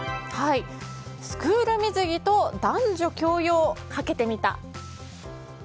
スクール水着と男女共用かけてみた。